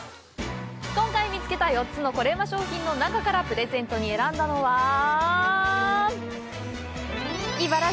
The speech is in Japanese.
今回見つけた４つのコレうま商品の中からプレゼントに選んだのはイバラ